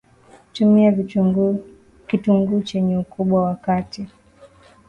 Tumia Kitunguu chenye Ukubwa wa kati